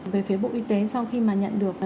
về phía bộ y tế sau khi nhận được